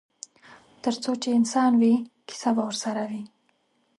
ترڅو چې انسان وي کیسه به ورسره وي.